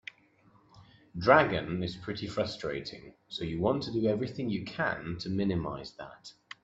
Dragon is pretty frustrating, so you want to do everything you can to minimize that.